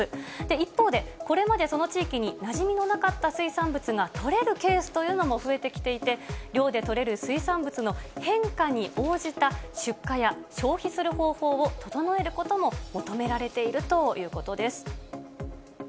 一方で、これまで、その地域になじみのなかった水産物が取れるケースというのも増えてきていて、漁で取れる水産物の変化に応じた出荷や、消費する方法を整えることも求められているということです。